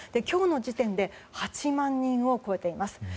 今日の時点で８万人を超えています。